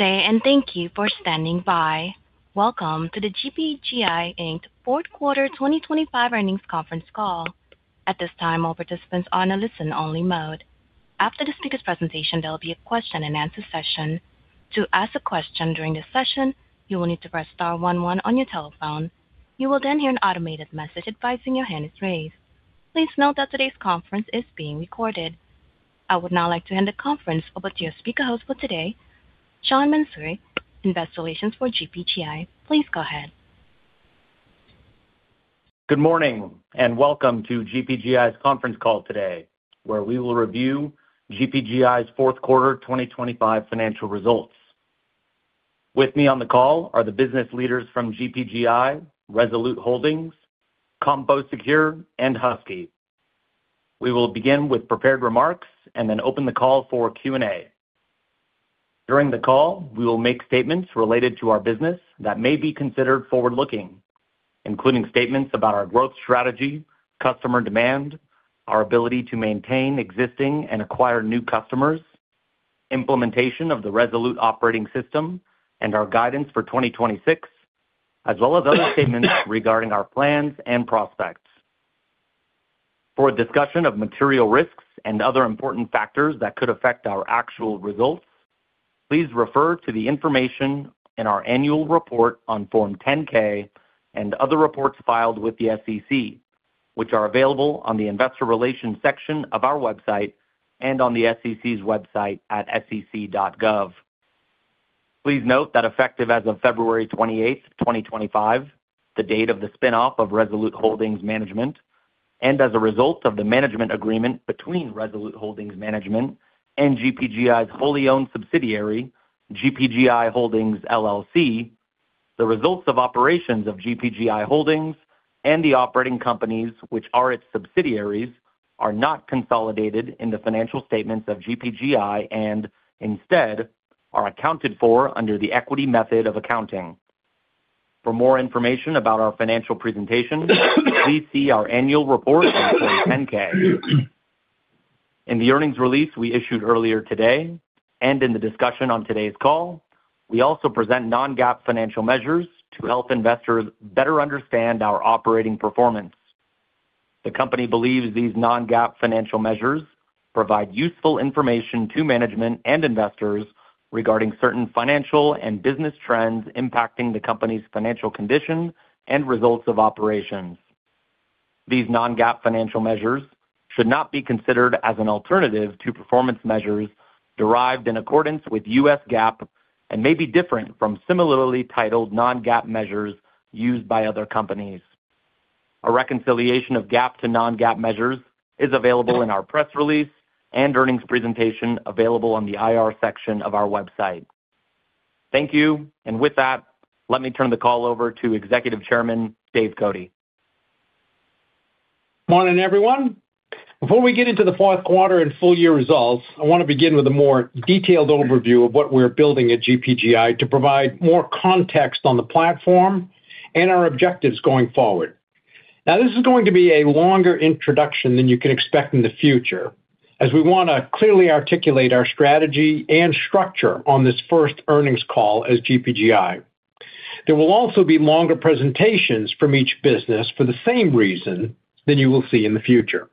Good day, and thank you for standing by. Welcome to the GPGI Inc. fourth quarter 2025 earnings conference call. At this time, all participants are in a listen-only mode. After the speaker presentation, there'll be a question-and-answer session. To ask a question during this session, you will need to press star one one on your telephone. You will then hear an automated message advising that your hand is raised. Please note that today's conference is being recorded. I would now like to hand the conference over to your speaker host for today, Sean Mansouri, Investor Relations for GPGI. Please go ahead. Good morning and welcome to GPGI's conference call today, where we will review GPGI's fourth quarter 2025 financial results. With me on the call are the business leaders from GPGI, Resolute Holdings, CompoSecure and Husky. We will begin with prepared remarks and then open the call for Q&A. During the call, we will make statements related to our business that may be considered forward-looking, including statements about our growth strategy, customer demand, our ability to maintain existing and acquire new customers, implementation of the Resolute Operating System and our guidance for 2026, as well as other statements regarding our plans and prospects. For a discussion of material risks and other important factors that could affect our actual results, please refer to the information in our annual report on Form 10-K and other reports filed with the SEC, which are available on the Investor Relations section of our website and on the SEC's website at sec.gov. Please note that effective as of February 28, 2025, the date of the spin-off of Resolute Holdings Management and as a result of the management agreement between Resolute Holdings Management and GPGI's wholly owned subsidiary, GPGI Holdings LLC, the results of operations of GPGI Holdings and the operating companies, which are its subsidiaries, are not consolidated in the financial statements of GPGI and instead are accounted for under the equity method of accounting. For more information about our financial presentation, please see our annual report for 10-K. In the earnings release we issued earlier today and in the discussion on today's call, we also present non-GAAP financial measures to help investors better understand our operating performance. The company believes these non-GAAP financial measures provide useful information to management and investors regarding certain financial and business trends impacting the company's financial condition and results of operations. These non-GAAP financial measures should not be considered as an alternative to performance measures derived in accordance with U.S. GAAP and may be different from similarly titled non-GAAP measures used by other companies. A reconciliation of GAAP to non-GAAP measures is available in our press release and earnings presentation available on the IR section of our website. Thank you. With that, let me turn the call over to Executive Chairman Dave Cote. Morning, everyone. Before we get into the fourth quarter and full year results, I want to begin with a more detailed overview of what we're building at GPGI to provide more context on the platform and our objectives going forward. Now, this is going to be a longer introduction than you can expect in the future as we want to clearly articulate our strategy and structure on this first earnings call as GPGI. There will also be longer presentations from each business for the same reason than you will see in the future.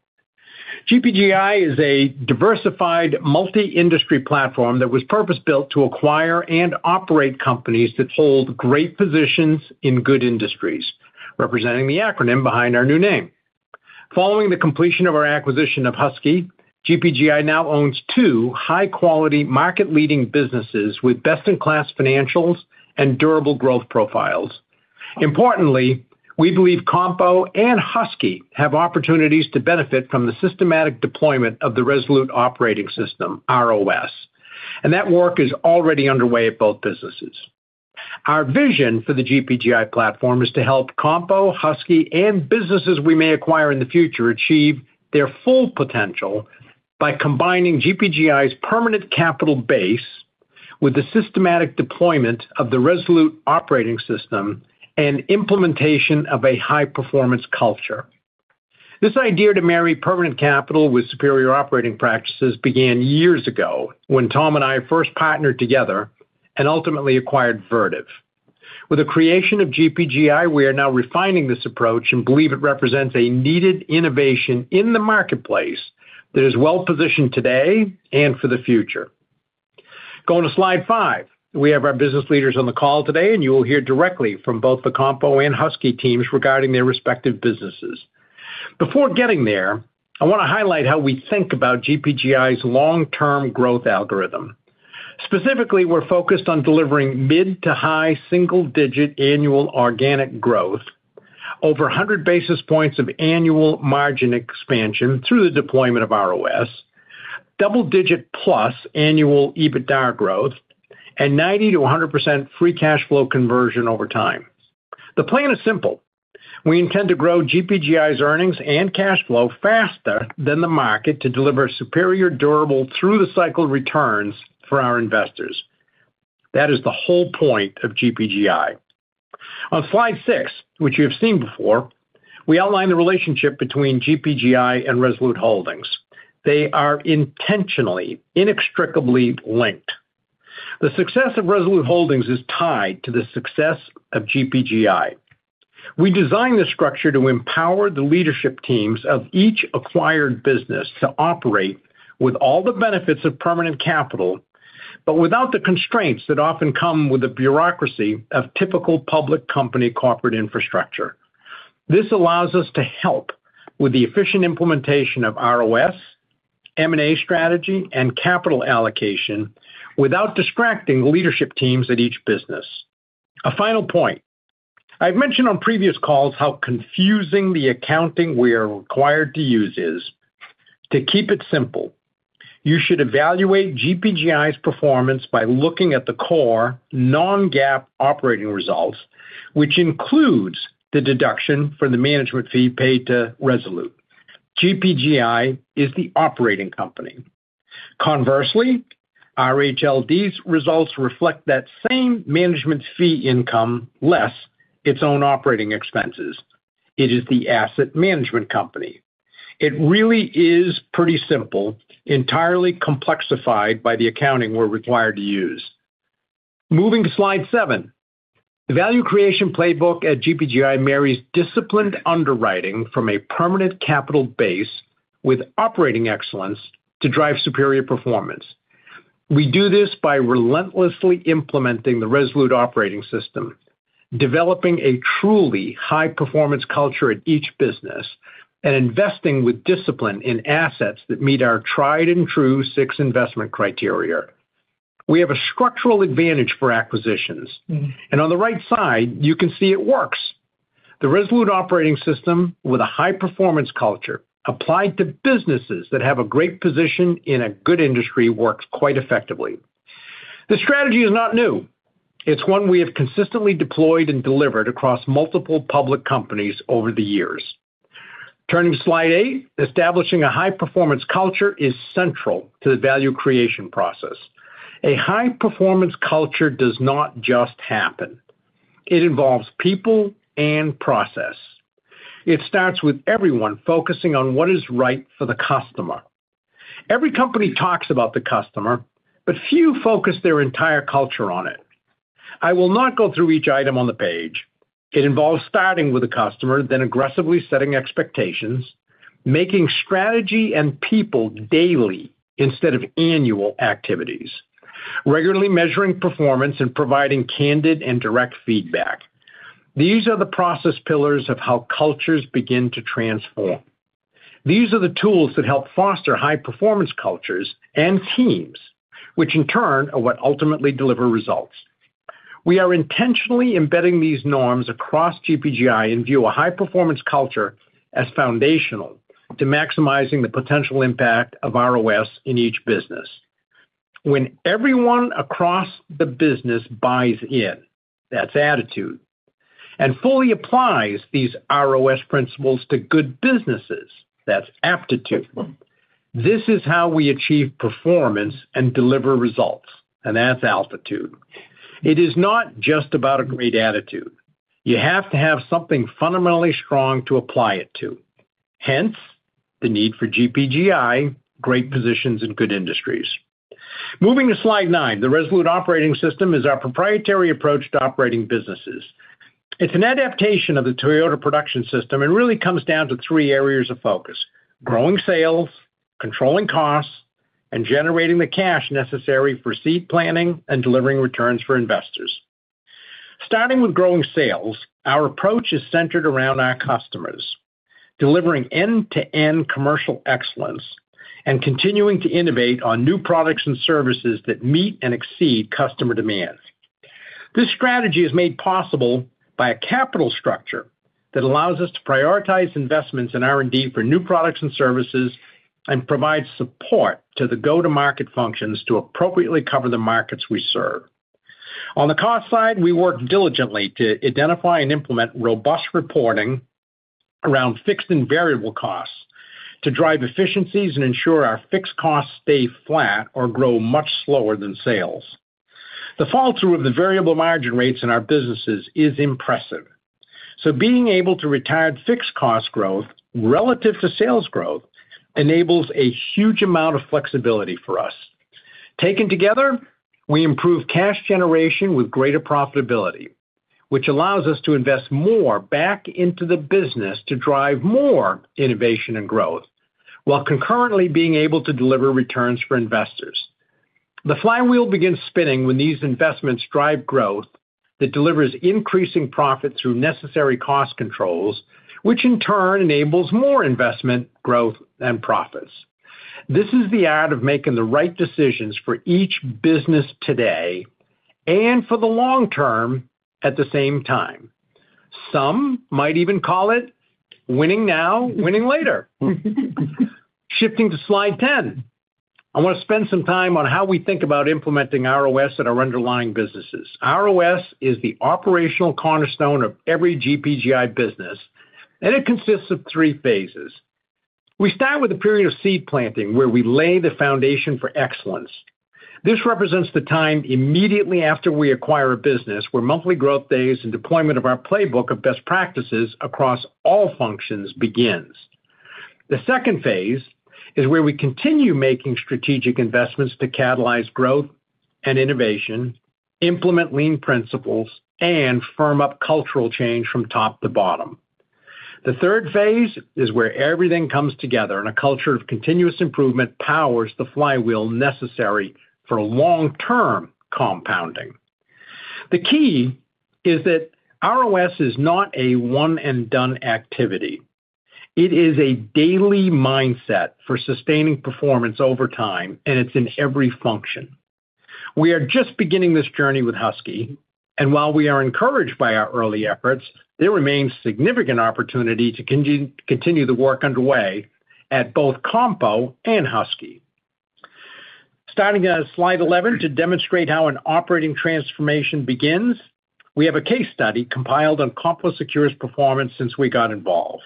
GPGI is a diversified multi-industry platform that was purpose-built to acquire and operate companies that hold great positions in good industries, representing the acronym behind our new name. Following the completion of our acquisition of Husky, GPGI now owns two high-quality market leading businesses with best in class financials and durable growth profiles. Importantly, we believe Compo and Husky have opportunities to benefit from the systematic deployment of the Resolute Operating System, ROS, and that work is already underway at both businesses. Our vision for the GPGI platform is to help Compo, Husky and businesses we may acquire in the future achieve their full potential by combining GPGI's permanent capital base with the systematic deployment of the Resolute Operating System and implementation of a high-performance culture. This idea to marry permanent capital with superior operating practices began years ago when Tom and I first partnered together and ultimately acquired Vertiv. With the creation of GPGI, we are now refining this approach and believe it represents a needed innovation in the marketplace that is well-positioned today and for the future. Going to slide five. We have our business leaders on the call today and you will hear directly from both the Compo and Husky teams regarding their respective businesses. Before getting there, I wanna highlight how we think about GPGI's long-term growth algorithm. Specifically, we're focused on delivering mid- to high-single-digit annual organic growth over 100 basis points of annual margin expansion through the deployment of ROS, double-digit plus annual EBITDA growth, and 90%-100% free cash flow conversion over time. The plan is simple. We intend to grow GPGI's earnings and cash flow faster than the market to deliver superior durable through-the-cycle returns for our investors. That is the whole point of GPGI. On slide six, which you have seen before, we outline the relationship between GPGI and Resolute Holdings. They are intentionally inextricably linked. The success of Resolute Holdings is tied to the success of GPGI. We designed this structure to empower the leadership teams of each acquired business to operate with all the benefits of permanent capital, but without the constraints that often come with the bureaucracy of typical public company corporate infrastructure. This allows us to help with the efficient implementation of ROS, M&A strategy, and capital allocation without distracting leadership teams at each business. A final point. I've mentioned on previous calls how confusing the accounting we are required to use is. To keep it simple, you should evaluate GPGI's performance by looking at the core non-GAAP operating results, which includes the deduction for the management fee paid to Resolute. GPGI is the operating company. Conversely, RHLD's results reflect that same management fee income less its own operating expenses. It is the asset management company. It really is pretty simple, entirely complexified by the accounting we're required to use. Moving to slide seven. The value creation playbook at GPGI marries disciplined underwriting from a permanent capital base with operating excellence to drive superior performance. We do this by relentlessly implementing the Resolute Operating System, developing a truly high-performance culture at each business, and investing with discipline in assets that meet our tried and true six investment criteria. We have a structural advantage for acquisitions. On the right side, you can see it works. The Resolute Operating System with a high-performance culture applied to businesses that have a great position in a good industry works quite effectively. This strategy is not new. It's one we have consistently deployed and delivered across multiple public companies over the years. Turning to slide eight. Establishing a high-performance culture is central to the value creation process. A high-performance culture does not just happen. It involves people and process. It starts with everyone focusing on what is right for the customer. Every company talks about the customer, but few focus their entire culture on it. I will not go through each item on the page. It involves starting with the customer, then aggressively setting expectations, making strategy and people daily instead of annual activities, regularly measuring performance, and providing candid and direct feedback. These are the process pillars of how cultures begin to transform. These are the tools that help foster high-performance cultures and teams, which in turn are what ultimately deliver results. We are intentionally embedding these norms across GPGI and view a high-performance culture as foundational to maximizing the potential impact of ROS in each business. When everyone across the business buys in, that's attitude, and fully applies these ROS principles to good businesses, that's aptitude, this is how we achieve performance and deliver results, and that's altitude. It is not just about a great attitude. You have to have something fundamentally strong to apply it to. Hence, the need for GPGI, great positions in good industries. Moving to slide nine. The Resolute Operating System is our proprietary approach to operating businesses. It's an adaptation of the Toyota Production System and really comes down to three areas of focus, growing sales, controlling costs, and generating the cash necessary for seed planning and delivering returns for investors. Starting with growing sales, our approach is centered around our customers, delivering end-to-end commercial excellence and continuing to innovate on new products and services that meet and exceed customer demands. This strategy is made possible by a capital structure that allows us to prioritize investments in R&D for new products and services and provide support to the go-to-market functions to appropriately cover the markets we serve. On the cost side, we work diligently to identify and implement robust reporting around fixed and variable costs to drive efficiencies and ensure our fixed costs stay flat or grow much slower than sales. The follow-through of the variable margin rates in our businesses is impressive. Being able to retire fixed cost growth relative to sales growth enables a huge amount of flexibility for us. Taken together, we improve cash generation with greater profitability, which allows us to invest more back into the business to drive more innovation and growth while concurrently being able to deliver returns for investors. The flywheel begins spinning when these investments drive growth that delivers increasing profit through necessary cost controls, which in turn enables more investment, growth, and profits. This is the art of making the right decisions for each business today and for the long term at the same time. Some might even call it winning now, winning later. Shifting to slide 10. I wanna spend some time on how we think about implementing ROS at our underlying businesses. ROS is the operational cornerstone of every GPGI business, and it consists of three phases. We start with a period of seed planting, where we lay the foundation for excellence. This represents the time immediately after we acquire a business, where monthly growth days and deployment of our playbook of best practices across all functions begins. The second phase is where we continue making strategic investments to catalyze growth and innovation, implement lean principles, and firm up cultural change from top to bottom. The third phase is where everything comes together, and a culture of continuous improvement powers the flywheel necessary for long-term compounding. The key is that ROS is not a one and done activity. It is a daily mindset for sustaining performance over time, and it's in every function. We are just beginning this journey with Husky, and while we are encouraged by our early efforts, there remains significant opportunity to continue the work underway at both Compo and Husky. Starting on slide 11 to demonstrate how an operating transformation begins, we have a case study compiled on CompoSecure's performance since we got involved.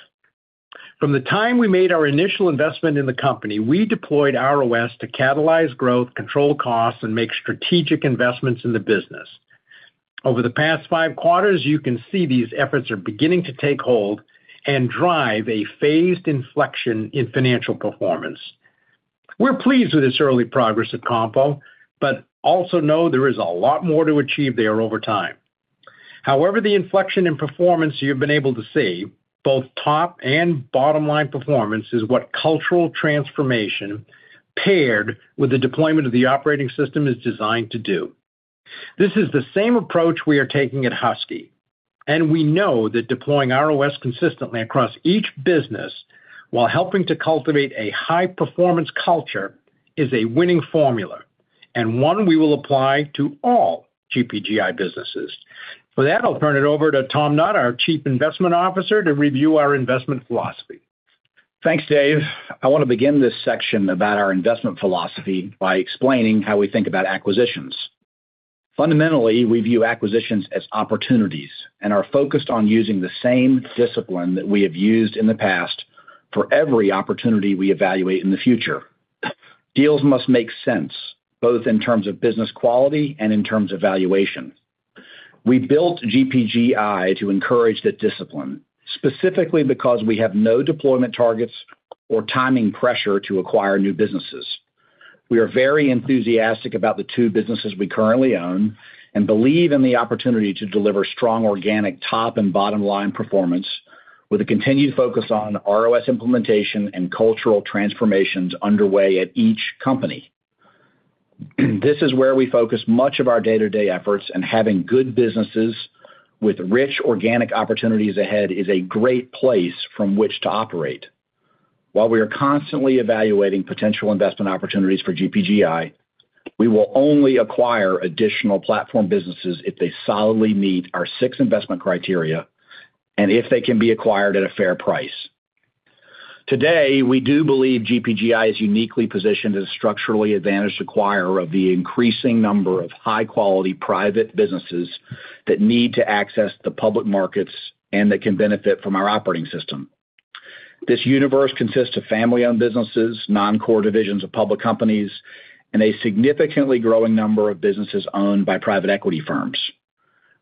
From the time we made our initial investment in the company, we deployed ROS to catalyze growth, control costs, and make strategic investments in the business. Over the past five quarters, you can see these efforts are beginning to take hold and drive a phased inflection in financial performance. We're pleased with this early progress at Compo, but also know there is a lot more to achieve there over time. However, the inflection in performance you've been able to see, both top and bottom-line performance, is what cultural transformation paired with the deployment of the operating system is designed to do. This is the same approach we are taking at Husky, and we know that deploying ROS consistently across each business while helping to cultivate a high-performance culture is a winning formula and one we will apply to all GPGI businesses. For that, I'll turn it over to Tom Knott, our Chief Investment Officer, to review our investment philosophy. Thanks, Dave. I wanna begin this section about our investment philosophy by explaining how we think about acquisitions. Fundamentally, we view acquisitions as opportunities and are focused on using the same discipline that we have used in the past for every opportunity we evaluate in the future. Deals must make sense, both in terms of business quality and in terms of valuation. We built GPGI to encourage that discipline, specifically because we have no deployment targets or timing pressure to acquire new businesses. We are very enthusiastic about the two businesses we currently own and believe in the opportunity to deliver strong organic top and bottom-line performance with a continued focus on ROS implementation and cultural transformations underway at each company. This is where we focus much of our day-to-day efforts, and having good businesses with rich organic opportunities ahead is a great place from which to operate. While we are constantly evaluating potential investment opportunities for GPGI, we will only acquire additional platform businesses if they solidly meet our six investment criteria and if they can be acquired at a fair price. Today, we do believe GPGI is uniquely positioned as a structurally advantaged acquirer of the increasing number of high-quality private businesses that need to access the public markets and that can benefit from our operating system. This universe consists of family-owned businesses, non-core divisions of public companies, and a significantly growing number of businesses owned by private equity firms.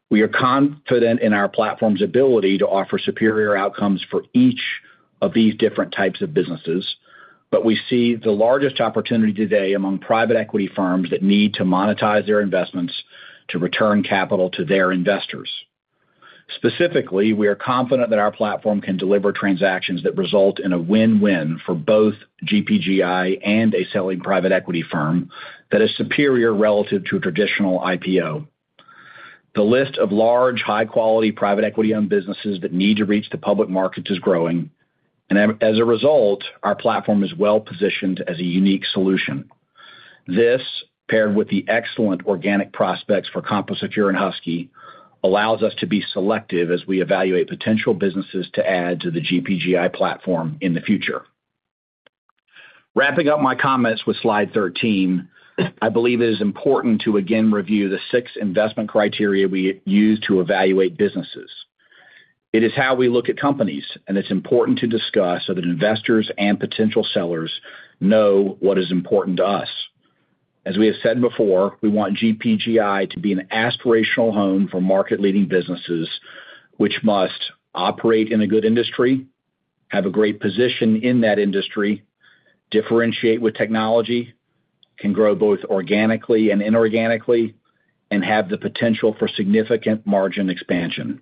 We are confident in our platform's ability to offer superior outcomes for each of these different types of businesses, but we see the largest opportunity today among private equity firms that need to monetize their investments to return capital to their investors. Specifically, we are confident that our platform can deliver transactions that result in a win-win for both GPGI and a selling private equity firm that is superior relative to a traditional IPO. The list of large, high-quality, private equity-owned businesses that need to reach the public market is growing, and as a result, our platform is well-positioned as a unique solution. This, paired with the excellent organic prospects for CompoSecure and Husky, allows us to be selective as we evaluate potential businesses to add to the GPGI platform in the future. Wrapping up my comments with slide 13, I believe it is important to again review the six investment criteria we use to evaluate businesses. It is how we look at companies, and it's important to discuss so that investors and potential sellers know what is important to us. As we have said before, we want GPGI to be an aspirational home for market-leading businesses, which must operate in a good industry, have a great position in that industry, differentiate with technology, can grow both organically and inorganically, and have the potential for significant margin expansion.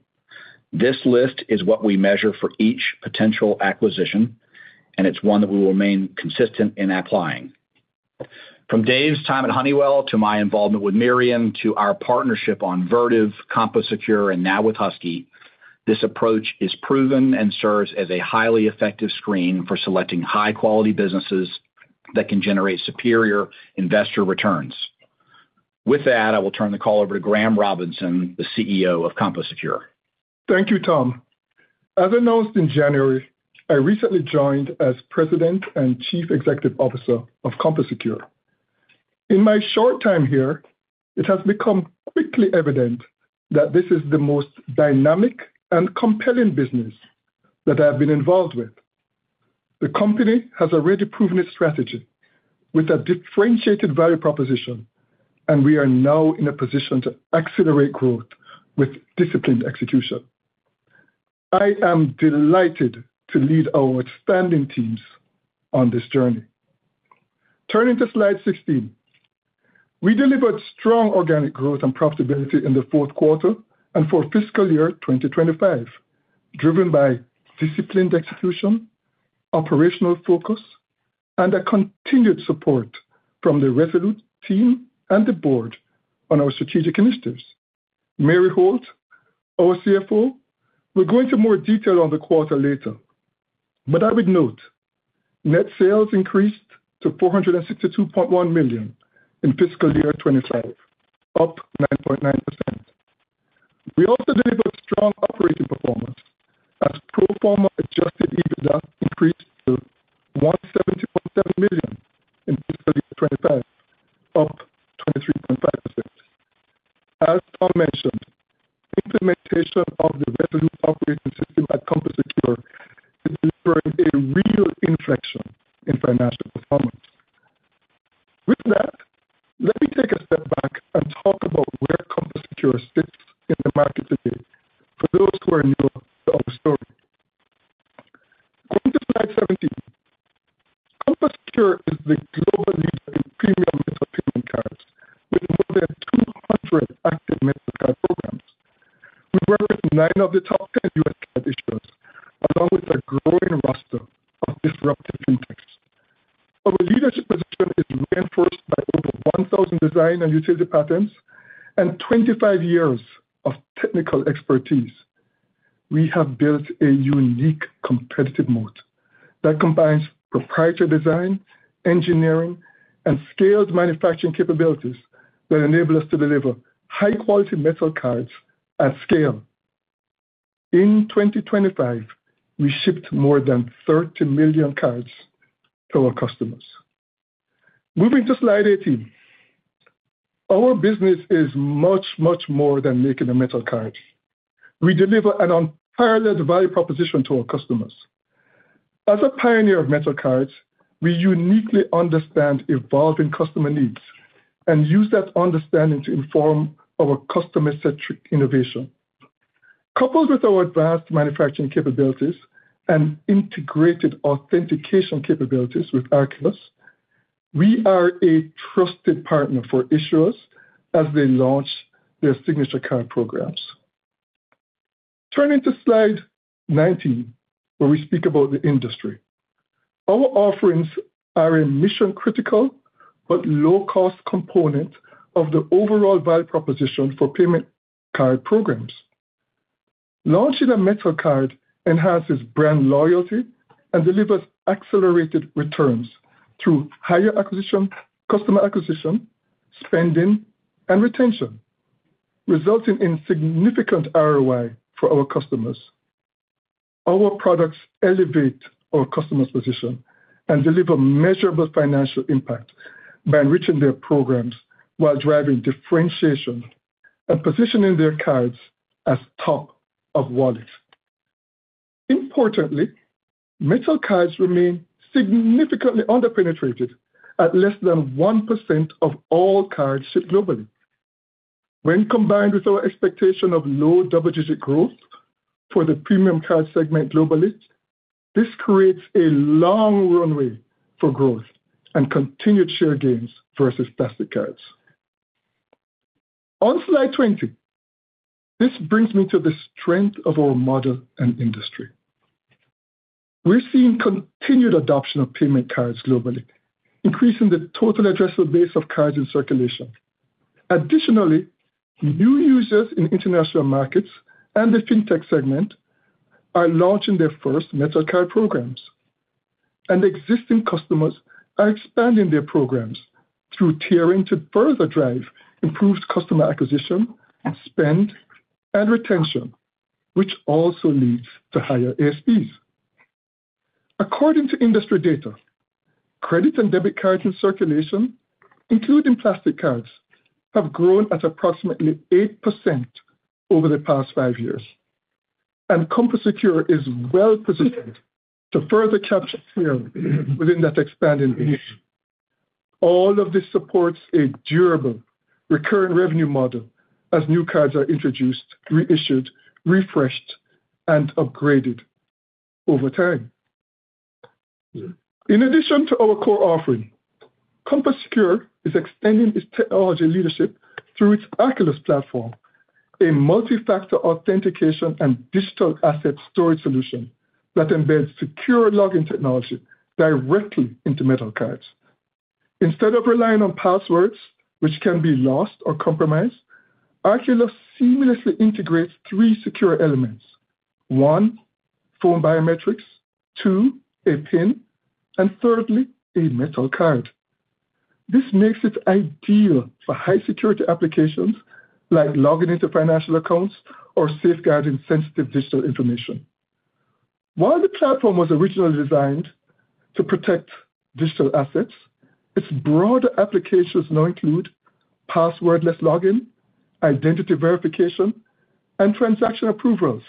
This list is what we measure for each potential acquisition, and it's one that we will remain consistent in applying. From Dave's time at Honeywell to my involvement with Mirion to our partnership on Vertiv, CompoSecure, and now with Husky, this approach is proven and serves as a highly effective screen for selecting high-quality businesses that can generate superior investor returns. With that, I will turn the call over to Graham Robinson, the CEO of CompoSecure. Thank you, Tom. As announced in January, I recently joined as President and Chief Executive Officer of CompoSecure. In my short time here, it has become quickly evident that this is the most dynamic and compelling business that I have been involved with. The company has already proven its strategy with a differentiated value proposition, and we are now in a position to accelerate growth with disciplined execution. I am delighted to lead our outstanding teams on this journey. Turning to slide 16. We delivered strong organic growth and profitability in the fourth quarter and for fiscal year 2025, driven by disciplined execution, operational focus, and a continued support from the Resolute team and the board on our strategic initiatives. Mary Holt, our CFO, will go into more detail on the quarter later. I would note, net sales increased to $462.1 million in fiscal year 2025, up 9.9%. We also delivered strong operating performance as pro forma adjusted EBITDA increased to $170.7 million in fiscal year 2025, up 23.5%. As Tom mentioned, utility patents and 25 years of technical expertise. We have built a unique competitive moat that combines proprietary design, engineering and scaled manufacturing capabilities that enable us to deliver high quality metal cards at scale. In 2025, we shipped more than 30 million cards to our customers. Moving to slide 18. Our business is much, much more than making a metal card. We deliver an unparalleled value proposition to our customers. As a pioneer of metal cards, we uniquely understand evolving customer needs and use that understanding to inform our customer-centric innovation. Coupled with our advanced manufacturing capabilities and integrated authentication capabilities with Arculus, we are a trusted partner for issuers as they launch their signature card programs. Turning to slide 19, where we speak about the industry. Our offerings are a mission critical but low cost component of the overall value proposition for payment card programs. Launching a metal card enhances brand loyalty and delivers accelerated returns through higher acquisition, customer acquisition, spending and retention, resulting in significant ROI for our customers. Our products elevate our customers' position and deliver measurable financial impact by enriching their programs while driving differentiation and positioning their cards as top of wallet. Importantly, metal cards remain significantly under-penetrated at less than 1% of all cards shipped globally. When combined with our expectation of low double-digit growth for the premium card segment globally, this creates a long runway for growth and continued share gains versus plastic cards. On slide 20, this brings me to the strength of our model and industry. We're seeing continued adoption of payment cards globally, increasing the total addressable base of cards in circulation. Additionally, new users in international markets and the fintech segment are launching their first metal card programs, and existing customers are expanding their programs through tiering to further drive improved customer acquisition, spend, and retention, which also leads to higher ASPs. According to industry data, credit and debit cards in circulation, including plastic cards, have grown at approximately 8% over the past five years, and CompoSecure is well-positioned to further capture share within that expanding base. All of this supports a durable recurring revenue model as new cards are introduced, reissued, refreshed, and upgraded over time. In addition to our core offering, CompoSecure is extending its technology leadership through its Arculus platform, a multi-factor authentication and digital asset storage solution that embeds secure login technology directly into metal cards. Instead of relying on passwords which can be lost or compromised, Arculus seamlessly integrates three secure elements. One, phone biometrics, two, a pin, and thirdly, a metal card. This makes it ideal for high security applications like logging into financial accounts or safeguarding sensitive digital information. While the platform was originally designed to protect digital assets, its broad applications now include passwordless login, identity verification, and transaction approvals,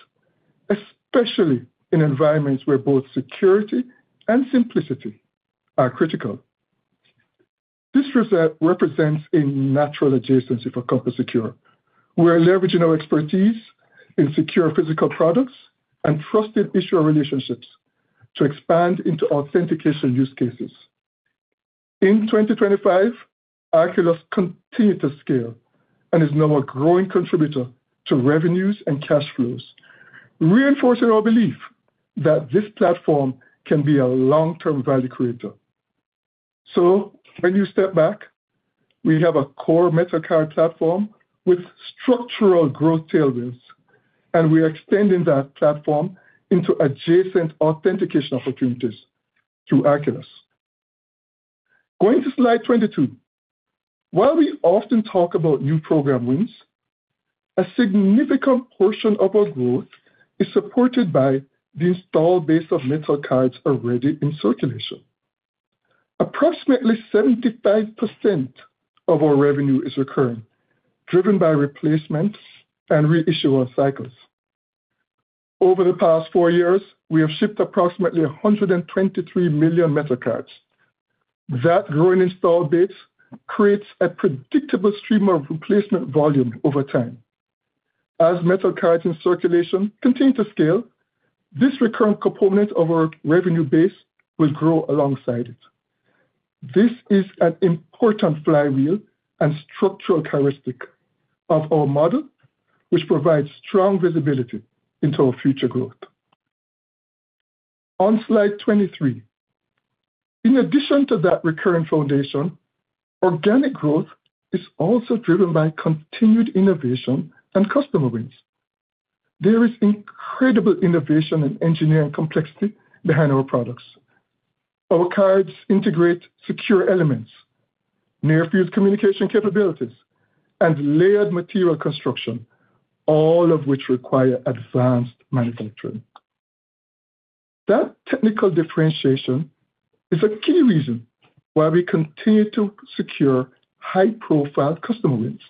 especially in environments where both security and simplicity are critical. This reset represents a natural adjacency for CompoSecure. We are leveraging our expertise in secure physical products and trusted issuer relationships to expand into authentication use cases. In 2025, Arculus continued to scale and is now a growing contributor to revenues and cash flows, reinforcing our belief that this platform can be a long-term value creator. When you step back, we have a core metal card platform with structural growth tailwinds, and we are extending that platform into adjacent authentication opportunities through Arculus. Going to slide 22. While we often talk about new program wins, a significant portion of our growth is supported by the installed base of metal cards already in circulation. Approximately 75% of our revenue is recurring, driven by replacements and re-issuance cycles. Over the past four years, we have shipped approximately 123 million metal cards. That growing installed base creates a predictable stream of replacement volume over time. As metal cards in circulation continue to scale, this recurrent component of our revenue base will grow alongside it. This is an important flywheel and structural characteristic of our model, which provides strong visibility into our future growth. On slide 23. In addition to that recurring foundation, organic growth is also driven by continued innovation and customer wins. There is incredible innovation and engineering complexity behind our products. Our cards integrate secure elements, near-field communication capabilities, and layered material construction, all of which require advanced manufacturing. That technical differentiation is a key reason why we continue to secure high-profile customer wins.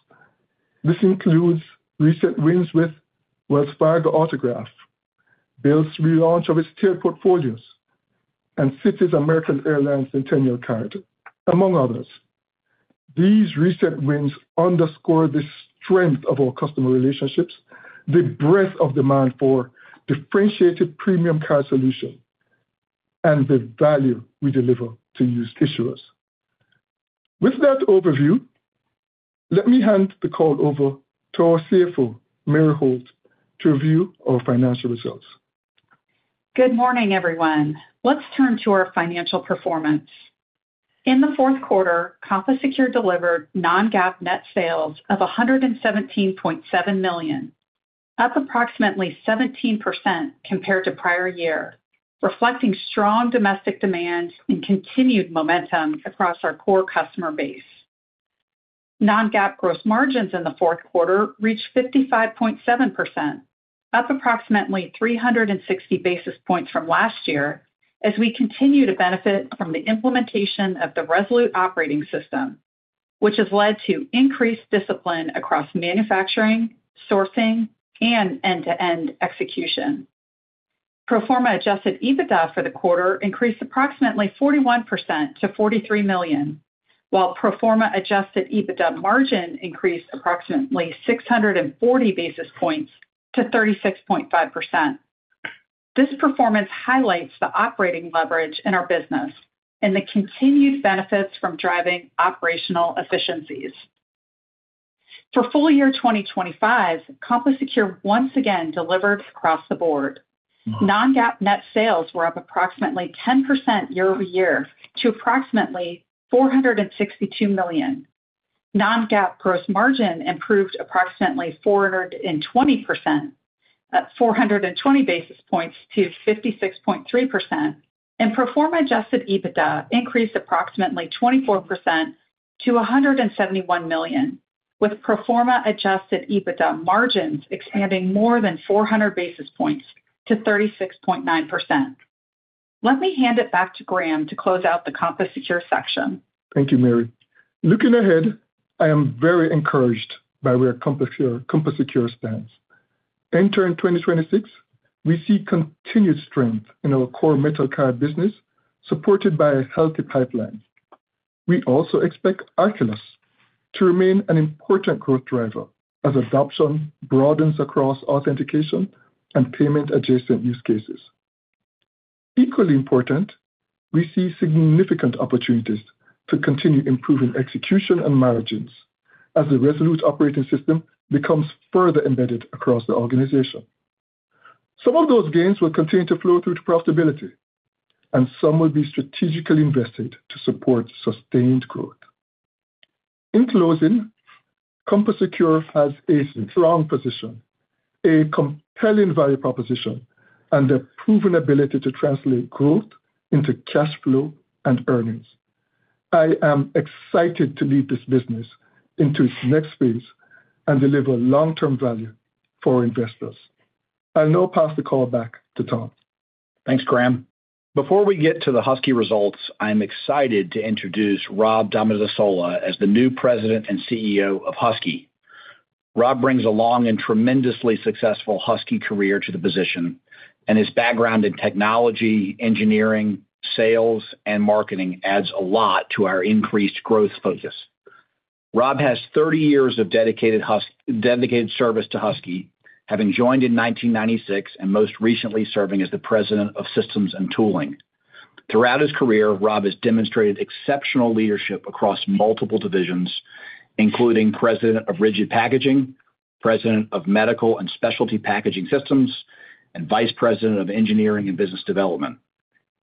This includes recent wins with Wells Fargo Autograph, Bilt's relaunch of its tier portfolios, and Citi's American Airlines Centennial Card, among others. These recent wins underscore the strength of our customer relationships, the breadth of demand for differentiated premium card solution, and the value we deliver to these issuers. With that overview, let me hand the call over to our CFO, Mary Holt, to review our financial results. Good morning, everyone. Let's turn to our financial performance. In the fourth quarter, CompoSecure delivered non-GAAP net sales of $117.7 million, up approximately 17% compared to prior year, reflecting strong domestic demand and continued momentum across our core customer base. Non-GAAP gross margins in the fourth quarter reached 55.7%, up approximately 360 basis points from last year as we continue to benefit from the implementation of the Resolute Operating System, which has led to increased discipline across manufacturing, sourcing, and end-to-end execution. Pro forma adjusted EBITDA for the quarter increased approximately 41% to $43 million, while pro forma adjusted EBITDA margin increased approximately 640 basis points to 36.5%. This performance highlights the operating leverage in our business and the continued benefits from driving operational efficiencies. For full year 2025, CompoSecure once again delivered across the board. Non-GAAP net sales were up approximately 10% year-over-year to approximately $462 million. Non-GAAP gross margin improved approximately 420 basis points to 56.3%. Pro forma adjusted EBITDA increased approximately 24% to $171 million, with pro forma adjusted EBITDA margins expanding more than 400 basis points to 36.9%. Let me hand it back to Graham to close out the CompoSecure section. Thank you, Mary. Looking ahead, I am very encouraged by where CompoSecure stands. Entering 2026, we see continued strength in our core metal card business, supported by a healthy pipeline. We also expect Arculus to remain an important growth driver as adoption broadens across authentication and payment-adjacent use cases. Equally important, we see significant opportunities to continue improving execution and margins as the Resolute Operating System becomes further embedded across the organization. Some of those gains will continue to flow through to profitability, and some will be strategically invested to support sustained growth. In closing, CompoSecure has a strong position, a compelling value proposition, and a proven ability to translate growth into cash flow and earnings. I am excited to lead this business into its next phase and deliver long-term value for investors. I'll now pass the call back to Tom. Thanks, Graham. Before we get to the Husky results, I'm excited to introduce Rob Domodossola as the new President and CEO of Husky. Rob brings along a tremendously successful Husky career to the position, and his background in technology, engineering, sales, and marketing adds a lot to our increased growth focus. Rob has 30 years of dedicated service to Husky, having joined in 1996 and most recently serving as the President of systems and tooling. Throughout his career, Rob has demonstrated exceptional leadership across multiple divisions, including President of rigid packaging, President of medical and specialty packaging systems, and Vice President of engineering and business development.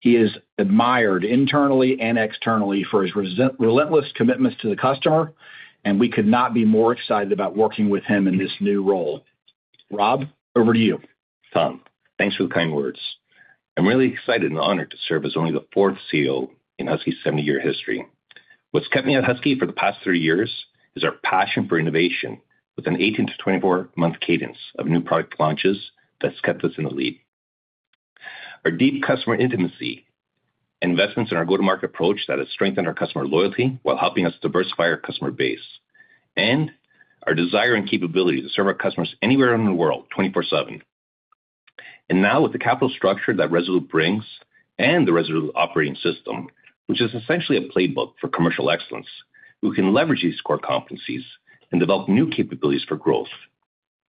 He is admired internally and externally for his relentless commitments to the customer, and we could not be more excited about working with him in this new role. Rob, over to you. Tom, thanks for the kind words. I'm really excited and honored to serve as only the fourth CEO in Husky's 70-year history. What's kept me at Husky for the past three years is our passion for innovation with an 18- to 24-month cadence of new product launches that's kept us in the lead. Our deep customer intimacy, investments in our go-to-market approach that has strengthened our customer loyalty while helping us diversify our customer base, and our desire and capability to serve our customers anywhere in the world, 24/7. Now with the capital structure that Resolute brings and the Resolute Operating System, which is essentially a playbook for commercial excellence, we can leverage these core competencies and develop new capabilities for growth.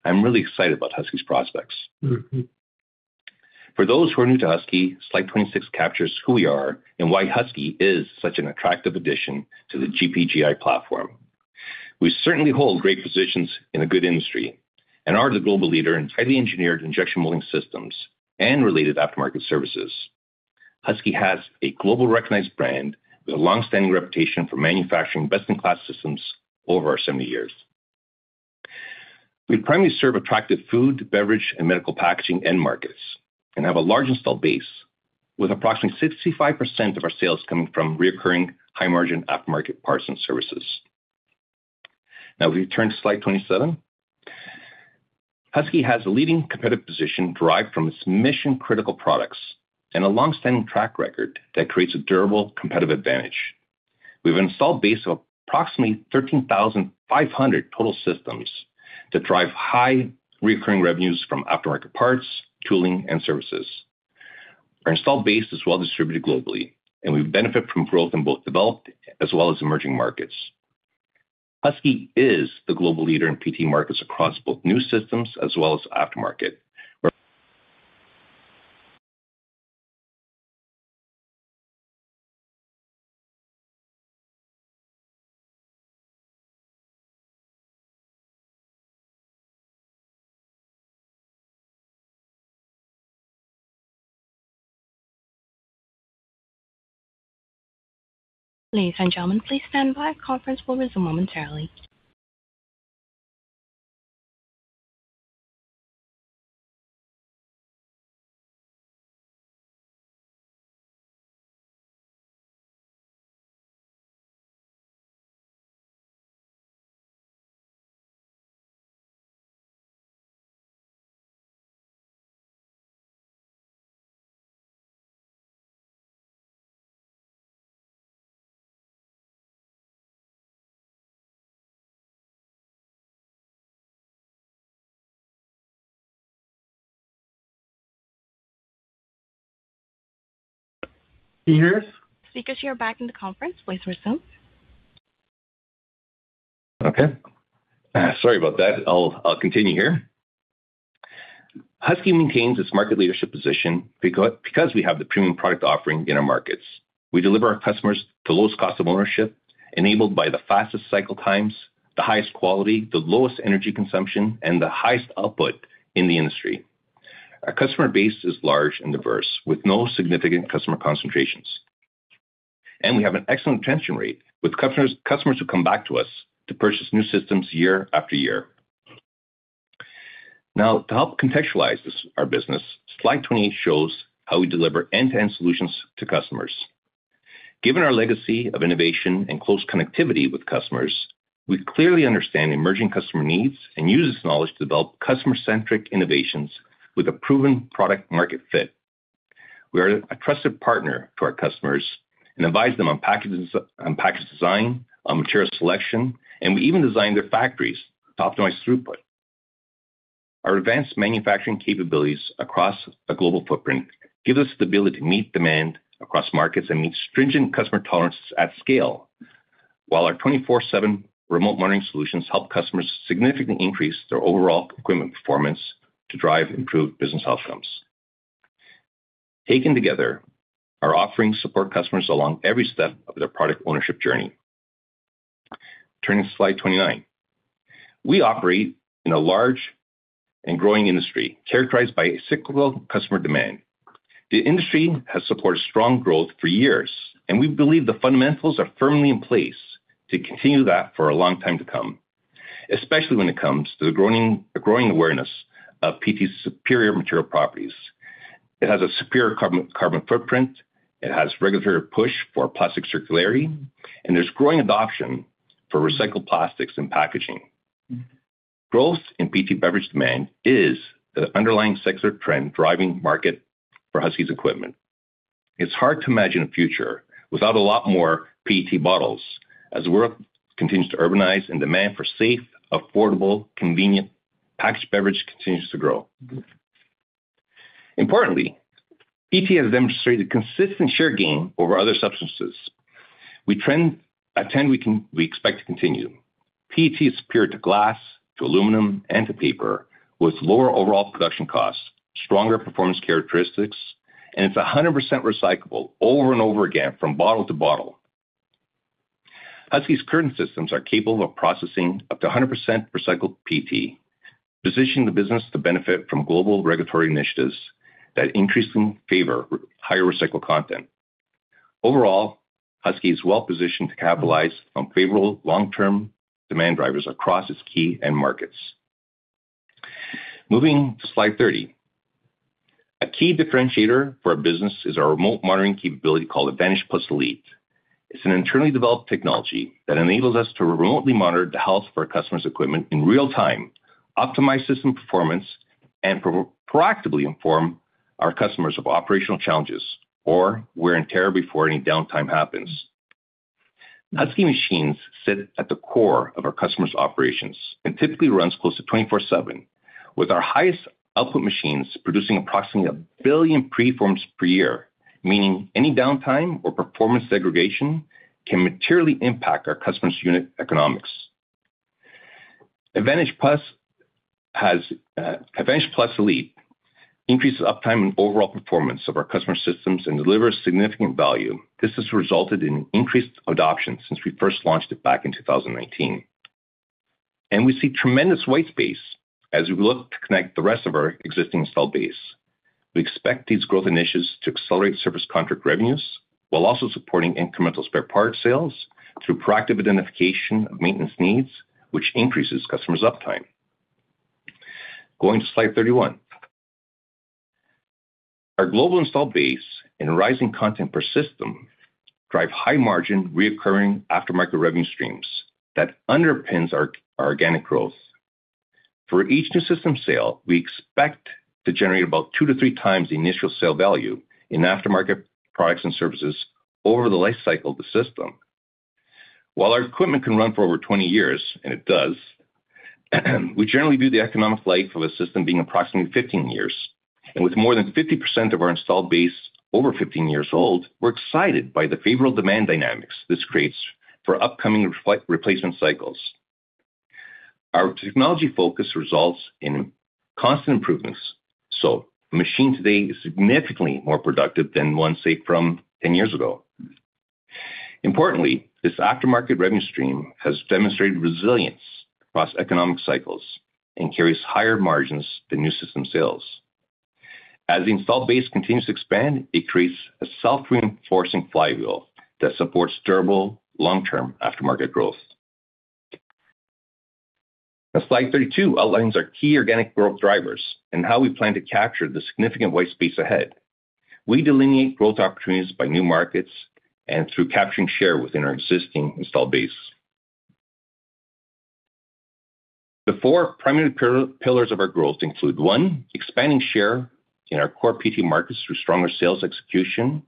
I'm really excited about Husky's prospects. For those who are new to Husky, slide 26 captures who we are and why Husky is such an attractive addition to the GPGI platform. We certainly hold great positions in a good industry and are the global leader in highly engineered injection molding systems and related aftermarket services. Husky has a globally recognized brand with a long-standing reputation for manufacturing best-in-class systems over our 70 years. We primarily serve attractive food, beverage, and medical packaging end markets and have a large install base with approximately 65% of our sales coming from recurring high-margin aftermarket parts and services. Now if you turn to slide 27. Husky has a leading competitive position derived from its mission-critical products and a long-standing track record that creates a durable competitive advantage. We have an install base of approximately 13,500 total systems that drive high recurring revenues from aftermarket parts, tooling, and services. Our install base is well distributed globally, and we benefit from growth in both developed as well as emerging markets. Husky is the global leader in PET markets across both new systems as well as aftermarket. Ladies and gentlemen, please stand by. Conference will resume momentarily. Can you hear us? Speakers, you are back in the conference. Please resume. Okay. Sorry about that. I'll continue here. Husky maintains its market leadership position because we have the premium product offering in our markets. We deliver our customers the lowest cost of ownership enabled by the fastest cycle times, the highest quality, the lowest energy consumption, and the highest output in the industry. Our customer base is large and diverse with no significant customer concentrations. We have an excellent retention rate with customers who come back to us to purchase new systems year after year. Now, to help contextualize this, our business, slide 28 shows how we deliver end-to-end solutions to customers. Given our legacy of innovation and close connectivity with customers, we clearly understand emerging customer needs and use this knowledge to develop customer-centric innovations with a proven product market fit. We are a trusted partner to our customers and advise them on packages, on package design, on material selection, and we even design their factories to optimize throughput. Our advanced manufacturing capabilities across a global footprint give us the ability to meet demand across markets and meet stringent customer tolerances at scale. While our 24/7 remote monitoring solutions help customers significantly increase their overall equipment performance to drive improved business outcomes. Taken together, our offerings support customers along every step of their product ownership journey. Turning to slide 29. We operate in a large and growing industry characterized by cyclical customer demand. The industry has supported strong growth for years, and we believe the fundamentals are firmly in place to continue that for a long time to come, especially when it comes to the growing awareness of PET's superior material properties. It has a superior carbon footprint. It has regulatory push for plastic circularity, and there's growing adoption for recycled plastics in packaging. Growth in PET beverage demand is the underlying secular trend driving market for Husky's equipment. It's hard to imagine a future without a lot more PET bottles as the world continues to urbanize and demand for safe, affordable, convenient packaged beverage continues to grow. Importantly, PET has demonstrated consistent share gain over other substances. A trend we expect to continue. PET is superior to glass, to aluminum, and to paper, with lower overall production costs, stronger performance characteristics, and it's 100% recyclable over and over again from bottle to bottle. Husky's current systems are capable of processing up to 100% recycled PET, positioning the business to benefit from global regulatory initiatives that increasingly favor higher recycled content. Overall, Husky is well-positioned to capitalize on favorable long-term demand drivers across its key end markets. Moving to slide 30. A key differentiator for our business is our remote monitoring capability called Advantage+Elite. It's an internally developed technology that enables us to remotely monitor the health of our customers' equipment in real time, optimize system performance, and proactively inform our customers of operational challenges or wear and tear before any downtime happens. Husky machines sit at the core of our customers' operations and typically runs close to 24/7, with our highest output machines producing approximately 1 billion preforms per year, meaning any downtime or performance degradation can materially impact our customers' unit economics. Advantage+Elite increases uptime and overall performance of our customer systems and delivers significant value. This has resulted in increased adoption since we first launched it back in 2019. We see tremendous white space as we look to connect the rest of our existing installed base. We expect these growth initiatives to accelerate service contract revenues while also supporting incremental spare parts sales through proactive identification of maintenance needs, which increases customers' uptime. Going to slide 31. Our global installed base and rising content per system drive high-margin, recurring aftermarket revenue streams that underpins our organic growth. For each new system sale, we expect to generate about 2-3 times the initial sale value in aftermarket products and services over the lifecycle of the system. While our equipment can run for over 20 years, and it does, we generally view the economic life of a system being approximately 15 years. With more than 50% of our installed base over 15 years old, we're excited by the favorable demand dynamics this creates for upcoming replacement cycles. Our technology focus results in constant improvements, so a machine today is significantly more productive than one, say, from 10 years ago. Importantly, this aftermarket revenue stream has demonstrated resilience across economic cycles and carries higher margins than new system sales. As the installed base continues to expand, it creates a self-reinforcing flywheel that supports durable, long-term aftermarket growth. Now, slide 32 outlines our key organic growth drivers and how we plan to capture the significant white space ahead. We delineate growth opportunities by new markets and through capturing share within our existing installed base. The four primary pillars of our growth include, one, expanding share in our core PET markets through stronger sales execution,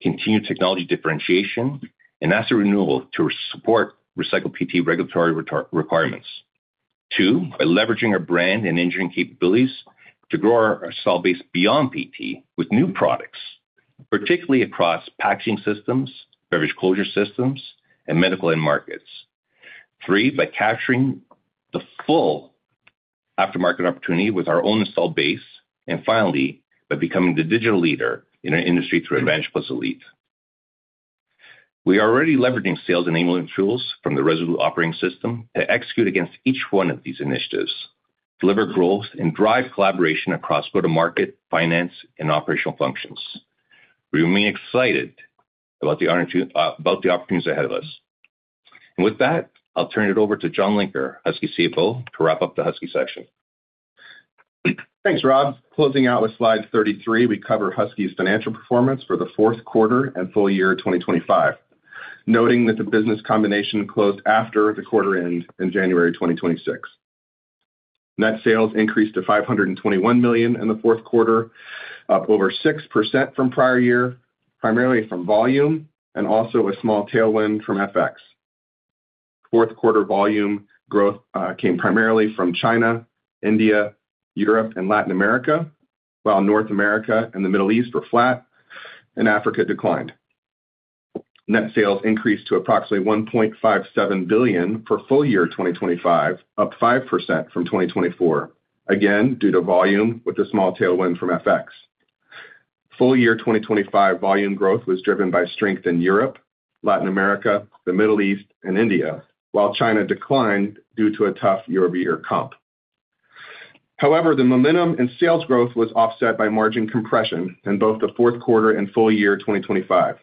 continued technology differentiation, and asset renewal to support recycled PET regulatory requirements. Two, by leveraging our brand and engineering capabilities to grow our install base beyond PET with new products, particularly across packaging systems, beverage closure systems, and medical end markets. Three, by capturing the full aftermarket opportunity with our own install base. Finally, by becoming the digital leader in our industry through Advantage+Elite. We are already leveraging sales enablement tools from the Resolute Operating System to execute against each one of these initiatives, deliver growth, and drive collaboration across go-to-market, finance, and operational functions. We remain excited about the opportunities ahead of us. With that, I'll turn it over to John Linker, Husky's CFO, to wrap up the Husky section. Thanks, Rob. Closing out with slide 33, we cover Husky's financial performance for the fourth quarter and full year 2025, noting that the business combination closed after the quarter end in January 2026. Net sales increased to $521 million in the fourth quarter, up over 6% from prior year, primarily from volume and also a small tailwind from FX. Fourth quarter volume growth came primarily from China, India, Europe, and Latin America, while North America and the Middle East were flat and Africa declined. Net sales increased to approximately $1.57 billion for full year 2025, up 5% from 2024, again, due to volume with a small tailwind from FX. Full year 2025 volume growth was driven by strength in Europe, Latin America, the Middle East, and India, while China declined due to a tough year-over-year comp. However, the momentum in sales growth was offset by margin compression in both the fourth quarter and full year 2025.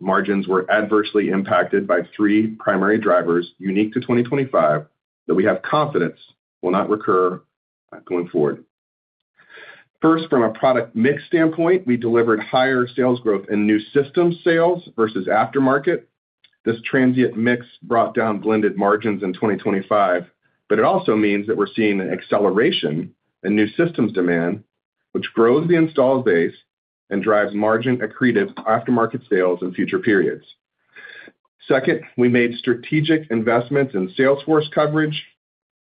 Margins were adversely impacted by three primary drivers unique to 2025 that we have confidence will not recur going forward. First from a product mix standpoint, we delivered higher sales growth in new system sales versus aftermarket. This transient mix brought down blended margins in 2025, but it also means that we're seeing an acceleration in new systems demand, which grows the installed base and drives margin accretive aftermarket sales in future periods. Second, we made strategic investments in sales force coverage,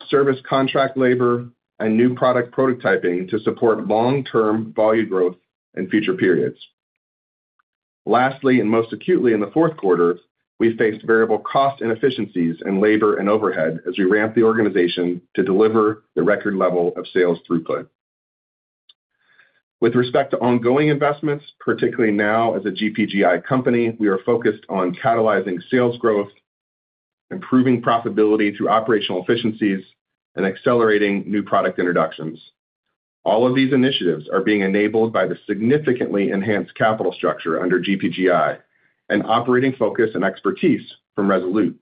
service contract labor, and new product prototyping to support long-term volume growth in future periods. Lastly, and most acutely in the fourth quarter, we faced variable cost inefficiencies in labor and overhead as we ramped the organization to deliver the record level of sales throughput. With respect to ongoing investments, particularly now as a GPGI company, we are focused on catalyzing sales growth, improving profitability through operational efficiencies, and accelerating new product introductions. All of these initiatives are being enabled by the significantly enhanced capital structure under GPGI and operating focus and expertise from Resolute,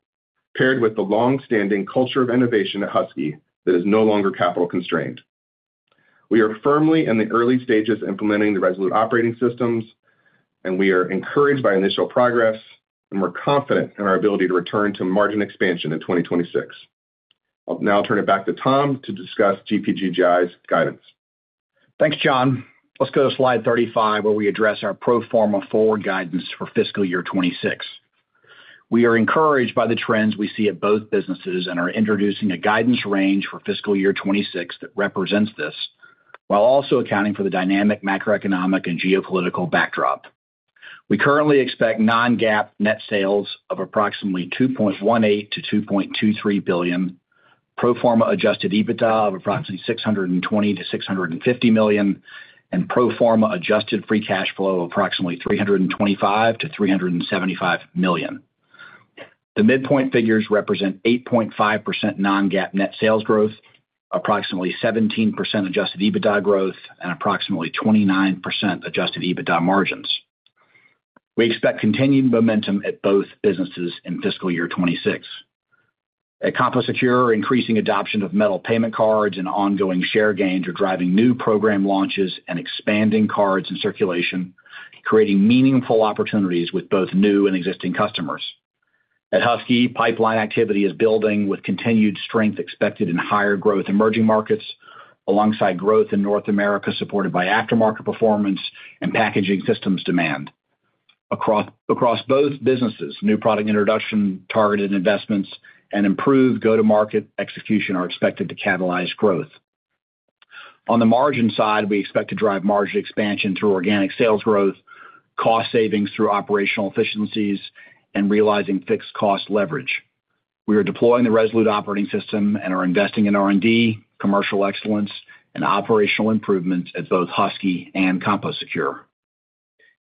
paired with the long-standing culture of innovation at Husky that is no longer capital constrained. We are firmly in the early stages of implementing the Resolute Operating Systems, and we are encouraged by initial progress, and we're confident in our ability to return to margin expansion in 2026. I'll now turn it back to Tom to discuss GPGI's guidance. Thanks, John. Let's go to slide 35, where we address our pro forma forward guidance for fiscal year 2026. We are encouraged by the trends we see at both businesses and are introducing a guidance range for fiscal year 2026 that represents this, while also accounting for the dynamic macroeconomic and geopolitical backdrop. We currently expect non-GAAP net sales of approximately $2.18-$2.23 billion, pro forma adjusted EBITDA of approximately $620-$650 million, and pro forma adjusted free cash flow of approximately $325-$375 million. The midpoint figures represent 8.5% non-GAAP net sales growth, approximately 17% adjusted EBITDA growth, and approximately 29% adjusted EBITDA margins. We expect continuing momentum at both businesses in fiscal year 2026. At CompoSecure, increasing adoption of metal payment cards and ongoing share gains are driving new program launches and expanding cards in circulation, creating meaningful opportunities with both new and existing customers. At Husky, pipeline activity is building with continued strength expected in higher growth emerging markets alongside growth in North America, supported by aftermarket performance and packaging systems demand. Across both businesses, new product introduction, targeted investments, and improved go-to-market execution are expected to catalyze growth. On the margin side, we expect to drive margin expansion through organic sales growth, cost savings through operational efficiencies, and realizing fixed cost leverage. We are deploying the Resolute Operating System and are investing in R&D, commercial excellence, and operational improvements at both Husky and CompoSecure.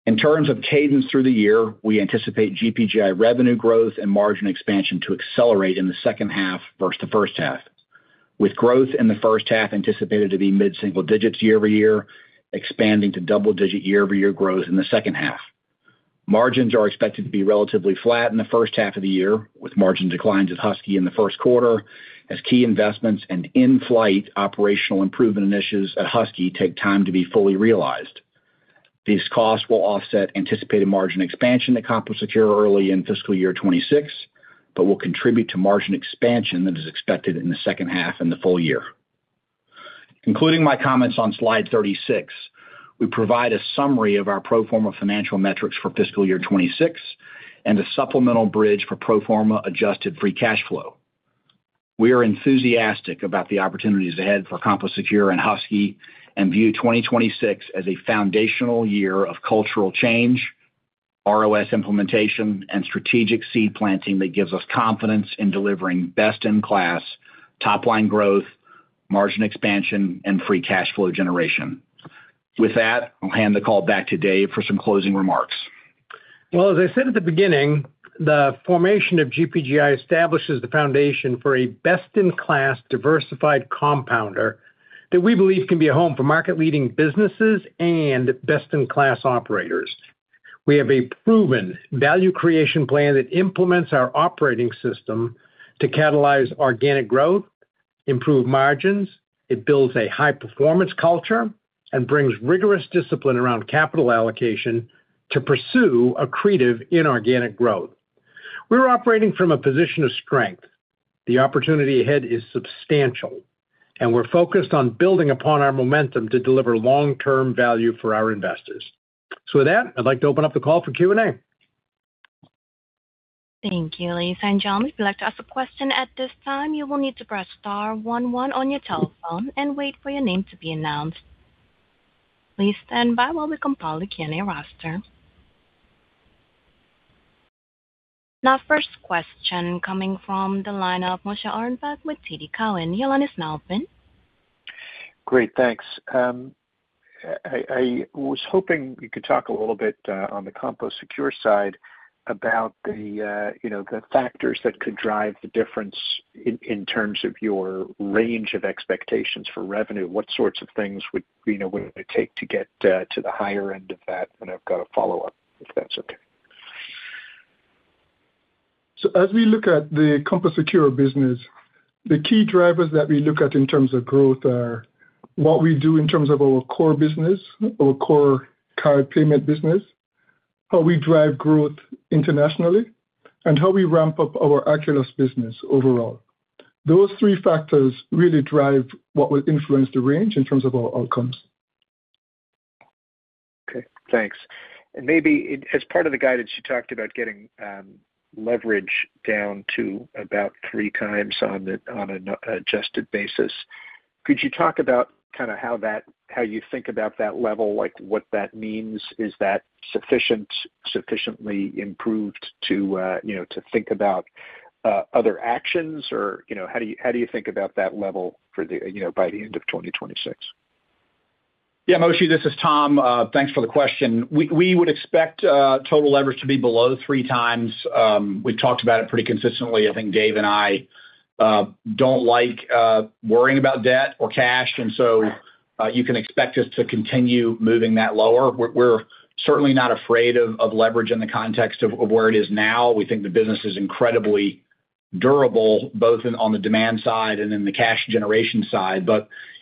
In terms of cadence through the year, we anticipate GPGI revenue growth and margin expansion to accelerate in the second half versus the first half, with growth in the first half anticipated to be mid-single digits year-over-year, expanding to double-digit year-over-year growth in the second half. Margins are expected to be relatively flat in the first half of the year, with margin declines at Husky in the first quarter as key investments and in-flight operational improvement initiatives at Husky take time to be fully realized. These costs will offset anticipated margin expansion at CompoSecure early in fiscal year 2026, but will contribute to margin expansion that is expected in the second half and the full year. Concluding my comments on slide 36, we provide a summary of our pro forma financial metrics for fiscal year 2026 and a supplemental bridge for pro forma adjusted free cash flow. We are enthusiastic about the opportunities ahead for CompoSecure and Husky and view 2026 as a foundational year of cultural change, ROS implementation, and strategic seed planting that gives us confidence in delivering best-in-class top-line growth, margin expansion, and free cash flow generation. With that, I'll hand the call back to Dave for some closing remarks. Well, as I said at the beginning, the formation of GPGI establishes the foundation for a best-in-class diversified compounder that we believe can be a home for market-leading businesses and best-in-class operators. We have a proven value creation plan that implements our operating system to catalyze organic growth, improve margins. It builds a high-performance culture and brings rigorous discipline around capital allocation to pursue accretive inorganic growth. We're operating from a position of strength. The opportunity ahead is substantial, and we're focused on building upon our momentum to deliver long-term value for our investors. With that, I'd like to open up the call for Q&A. Thank you. Ladies and gentlemen, if you'd like to ask a question at this time, you will need to press star one one on your telephone and wait for your name to be announced. Please stand by while we compile the Q&A roster. Now first question coming from the line of Moshe Orenbuch with TD Cowen. Your line is now open. Great, thanks. I was hoping you could talk a little bit on the CompoSecure side about the factors that could drive the difference in terms of your range of expectations for revenue. What sorts of things would it take to get to the higher end of that? I've got a follow-up, if that's okay. As we look at the CompoSecure business, the key drivers that we look at in terms of growth are what we do in terms of our core business, our core card payment business, how we drive growth internationally, and how we ramp up our Arculus business overall. Those three factors really drive what will influence the range in terms of our outcomes. Okay. Thanks. Maybe as part of the guidance, you talked about getting leverage down to about 3x on an adjusted basis. Could you talk about how you think about that level? Like what that means? Is that sufficiently improved to think about other actions? Or, how do you think about that level for the, you know, by the end of 2026? Yeah, Moshe, this is Tom. Thanks for the question. We would expect total leverage to be below 3x. We've talked about it pretty consistently. I think Dave and I don't like worrying about debt or cash, and so you can expect us to continue moving that lower. We're certainly not afraid of leverage in the context of where it is now. We think the business is incredibly durable, both on the demand side and in the cash generation side.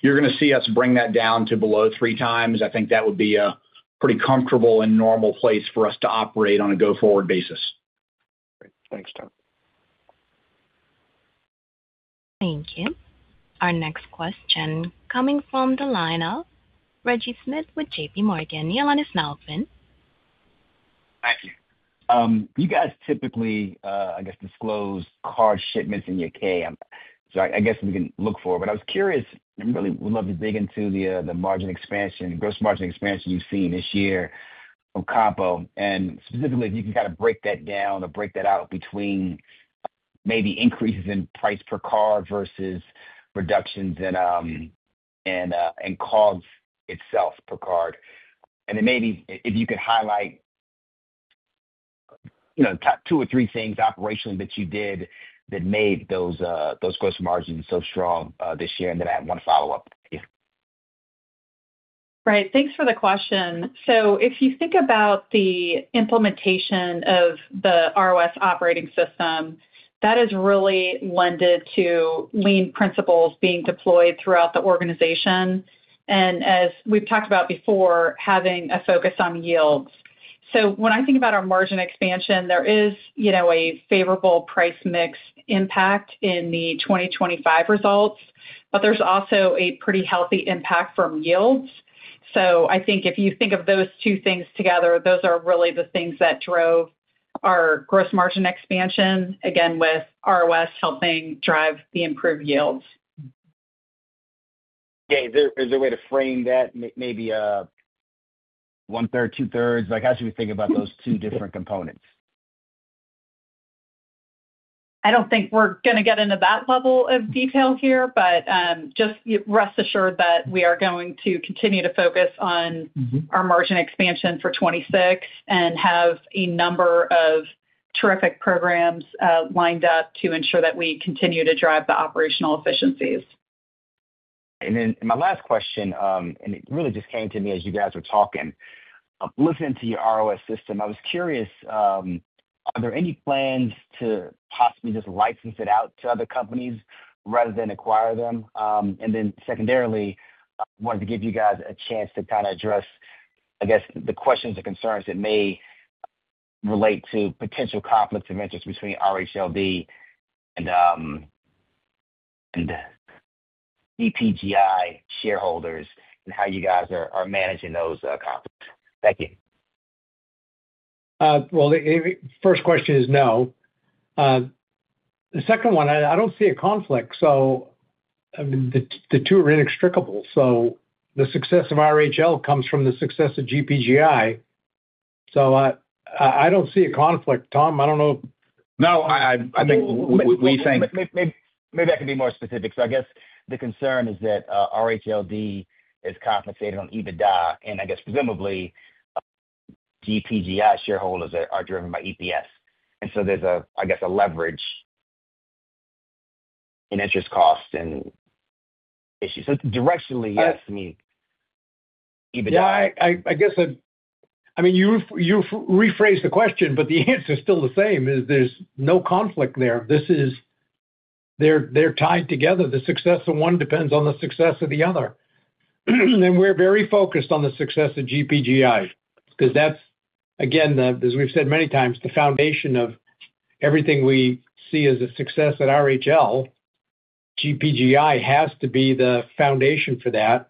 You're gonna see us bring that down to below 3x. I think that would be a pretty comfortable and normal place for us to operate on a go-forward basis. Great. Thanks, Tom. Thank you. Our next question coming from the line of Reggie Smith with JPMorgan. Your line is now open. Thank you. You guys typically, I guess disclose card shipments in your K, so I guess we can look for it. I was curious and really would love to dig into the margin expansion, gross margin expansion you've seen this year from Compo, and specifically if you can break that down or break that out between maybe increases in price per card versus reductions in cost itself per card. Maybe if you could highlight top two or three things operationally that you did that made those gross margins so strong this year. I have one follow-up. Yeah. Right. Thanks for the question. If you think about the implementation of the ROS operating system, that has really lent to lean principles being deployed throughout the organization, and as we've talked about before, having a focus on yields. When I think about our margin expansion, there is a favorable price mix impact in the 2025 results, but there's also a pretty healthy impact from yields. I think if you think of those two things together, those are really the things that drove our gross margin expansion, again, with ROS helping drive the improved yields. Yeah. Is there a way to frame that maybe one-third, two-thirds? Like how should we think about those two different components? I don't think we're gonna get into that level of detail here, but just rest assured that we are going to continue to focus on. Our margin expansion for 2026 and have a number of terrific programs lined up to ensure that we continue to drive the operational efficiencies. My last question, and it really just came to me as you guys were talking. Listening to your ROS system, I was curious, are there any plans to possibly just license it out to other companies rather than acquire them? Secondarily, I wanted to give you guys a chance to address, I guess, the questions or concerns that may relate to potential conflicts of interest between RHLD and GPGI shareholders and how you guys are managing those conflicts. Thank you. Well, the first question is no. The second one, I don't see a conflict, so I mean, the two are inextricable. The success of RHLD comes from the success of GPGI. I don't see a conflict. Tom, I don't know. No, I think we think- Maybe I can be more specific. I guess the concern is that, RHLD is compensated on EBITDA, and I guess presumably GPGI shareholders are driven by EPS. There's a, I guess, a leverage in interest costs and issues. Directionally, that's me. Yeah. EBITDA. I guess I've, I mean, you've rephrased the question, but the answer is still the same, is there's no conflict there. This is, they're tied together. The success of one depends on the success of the other. We're very focused on the success of GPGI because that's again, as we've said many times, the foundation of everything we see as a success at RHL. GPGI has to be the foundation for that.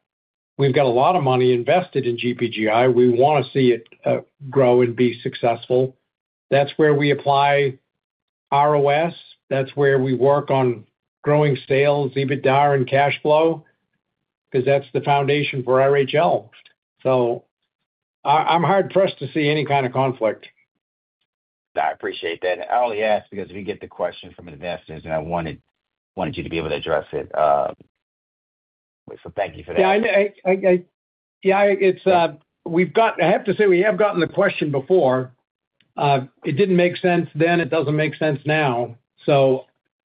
We've got a lot of money invested in GPGI. We want to see it grow and be successful. That's where we apply ROS. That's where we work on growing sales, EBITDA, and cash flow, because that's the foundation for RHL. I'm hard-pressed to see any conflict. I appreciate that. I only ask because we get the question from investors, and I wanted you to be able to address it. Thank you for that. Yeah. I have to say, we have gotten the question before. It didn't make sense then, it doesn't make sense now.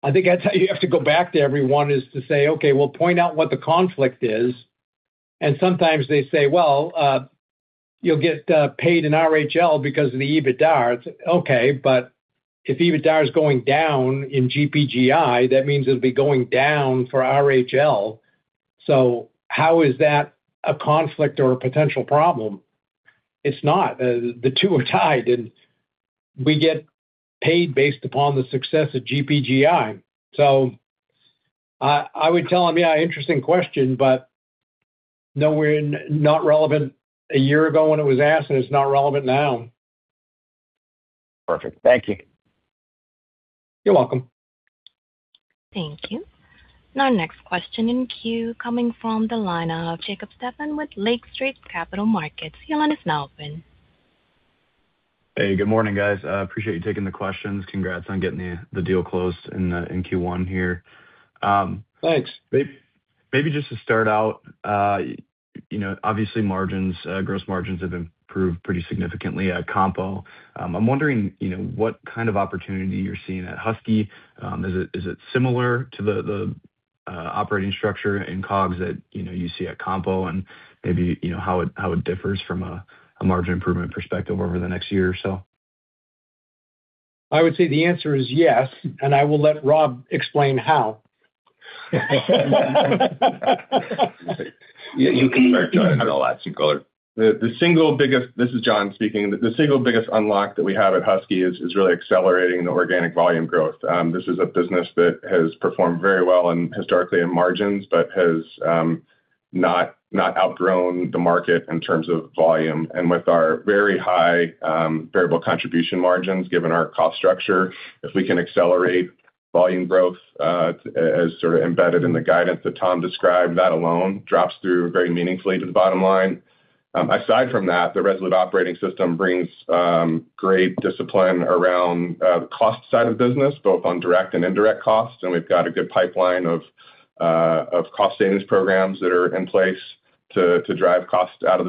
I think you have to go back to everyone and say, "Okay, well, point out what the conflict is." Sometimes they say, "Well, you'll get paid in RHL because of the EBITDA." It's okay, but if EBITDA is going down in GPGI, that means it'll be going down for RHL. How is that a conflict or a potential problem? It's not. The two are tied, and we get paid based upon the success of GPGI. I would tell him, yeah, interesting question, but no, it wasn't relevant a year ago when it was asked, and it's not relevant now. Perfect. Thank you. You're welcome. Thank you. Our next question in queue coming from the line of Jacob Stephan with Lake Street Capital Markets. Your line is now open. Hey, good morning, guys. I appreciate you taking the questions. Congrats on getting the deal closed in Q1 here. Thanks. Maybe just to start out, obviously margins, gross margins have improved pretty significantly at Compo. I'm wondering, what kind of opportunity you're seeing at Husky? Is it similar to the operating structure and COGS that you see at Compo? Maybe, how it differs from a margin improvement perspective over the next year or so. I would say the answer is yes, and I will let Rob explain how. Yeah. You can start, John. I know that's equal. This is John speaking. The single biggest unlock that we have at Husky is really accelerating the organic volume growth. This is a business that has performed very well and historically in margins, but has not outgrown the market in terms of volume. With our very high variable contribution margins, given our cost structure. If we can accelerate volume growth, as sort of embedded in the guidance that Tom described, that alone drops through very meaningfully to the bottom line. Aside from that, the Resolute Operating System brings great discipline around the cost side of business, both on direct and indirect costs.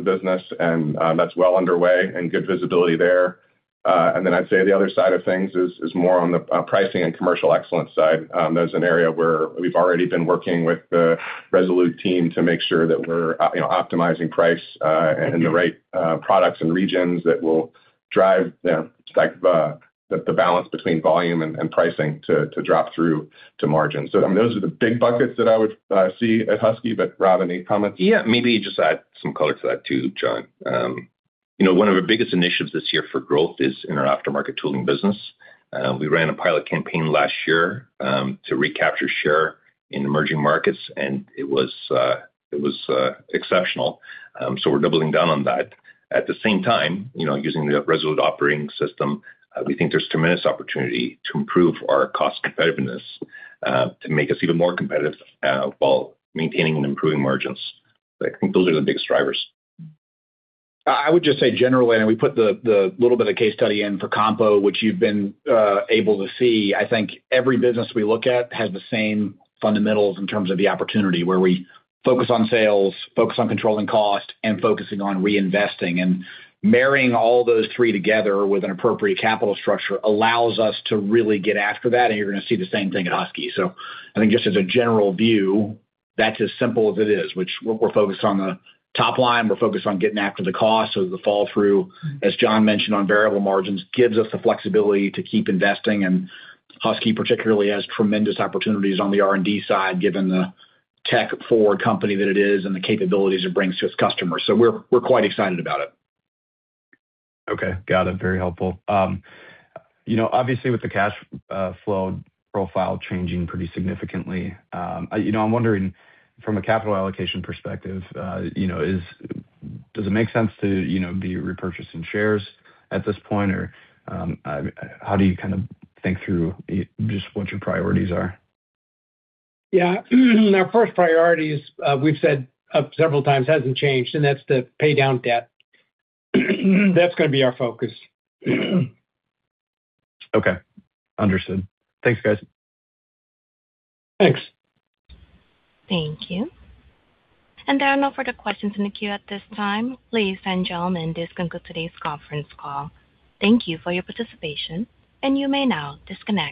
That's well underway and good visibility there. I'd say the other side of things is more on the pricing and commercial excellence side. That's an area where we've already been working with the Resolute team to make sure that we're optimizing price and the right products and regions that will drive the stack of the balance between volume and pricing to drop through to margin. Those are the big buckets that I would see at Husky. Rob, any comments? Yeah, maybe just add some color to that too, John. One of our biggest initiatives this year for growth is in our aftermarket tooling business. We ran a pilot campaign last year to recapture share in emerging markets, and it was exceptional. We're doubling down on that. At the same time using the Resolute Operating System, we think there's tremendous opportunity to improve our cost competitiveness to make us even more competitive while maintaining and improving margins. I think those are the biggest drivers. I would just say generally, we put the little bit of case study in for Compo, which you've been able to see. I think every business we look at has the same fundamentals in terms of the opportunity, where we focus on sales, focus on controlling cost, and focusing on reinvesting. Marrying all those three together with an appropriate capital structure allows us to really get after that, and you're gonna see the same thing at Husky. I think just as a general view, that's as simple as it is. We're focused on the top line, we're focused on getting after the cost. The flow-through, as John mentioned, on variable margins gives us the flexibility to keep investing. Husky particularly has tremendous opportunities on the R&D side, given the tech-forward company that it is and the capabilities it brings to its customers. We're quite excited about it. Okay. Got it. Very helpful. Obviously with the cash flow profile changing pretty significantly, I'm wondering from a capital allocation perspective, does it make sense to be repurchasing shares at this point? Or, how do you think through just what your priorities are? Yeah. Our first priority is, we've said, several times hasn't changed, and that's to pay down debt. That's gonna be our focus. Okay. Understood. Thanks, guys. Thanks. Thank you. There are no further questions in the queue at this time. Ladies and gentlemen, this concludes today's conference call. Thank you for your participation, and you may now disconnect.